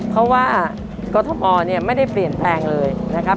เพราะว่ากรทมเนี่ยไม่ได้เปลี่ยนแปลงเลยนะครับ